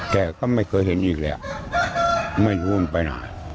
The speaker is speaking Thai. แต่ก็ไม่เคยเห็นอีกแล้วไม่รู้มึงมันไปหน่อย